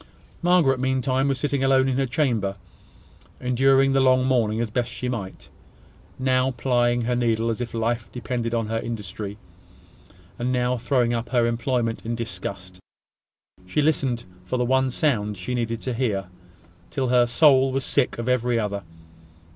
Margaret meantime was sitting alone in her chamber, enduring the long morning as she best might. Now plying her needle as if life depended on her industry, and now throwing up her employment in disgust, she listened for the one sound she needed to hear, till her soul was sick of every other.